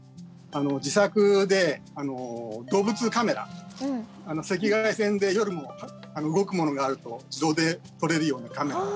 自作で動物カメラ赤外線で夜も動くものがあると自動で撮れるようなカメラを。